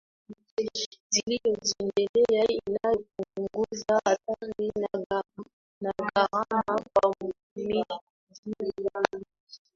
zilizoendelea inayopunguza hatari na gharama kwa mtumiaji na